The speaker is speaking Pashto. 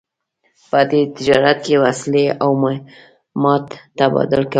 په دې تجارت کې وسلې او مهت تبادله کول.